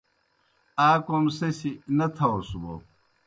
آ کوْم سہ سیْ نہ تھاؤس بوْ